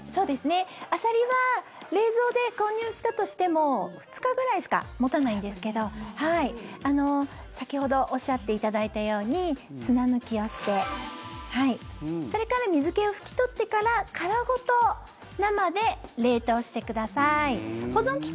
アサリは冷蔵で購入したとしても２日ぐらいしか持たないんですけど先ほどおっしゃっていただいたように砂抜きをしてそれから水気を拭き取ってから殻ごと生で冷凍してください。